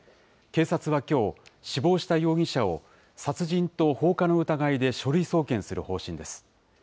警察はきょう、死亡した容疑者を、殺人と放火の疑いで書類送検する方針です。